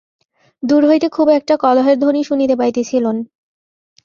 দূর হইতে খুব একটা কলহের ধ্বনি শুনিতে পাইতেছিলেন।